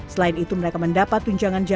selain itu mereka mendapat tunjangan jabatan